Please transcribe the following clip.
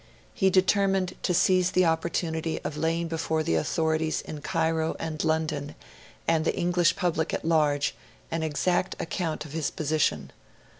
He determined to seize the opportunity of laying before the authorities in Cairo and London, and the English public at large, an exact account of his position.